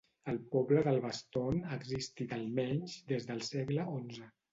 El poble de Alvaston ha existit a l'almenys des del segle XI.